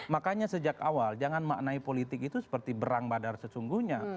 makanya sejak awal jangan maknai politik itu seperti berang badar sesungguhnya